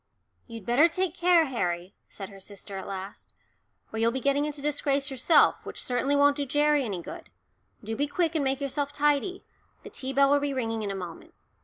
"You'd better take care, Harry," said her sister at last, "or you'll be getting into disgrace yourself, which certainly won't do Gerry any good. Do be quick and make yourself tidy, the tea bell will be ringing in a moment.